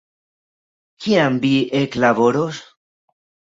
Kiam vi eklaboros?